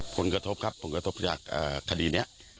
ผลกระทบครับผลกระทบจากคดีนี้